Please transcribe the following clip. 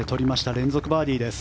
連続バーディーです。